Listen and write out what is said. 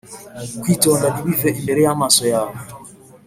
kwitonda Ntibive imbere y amaso yawe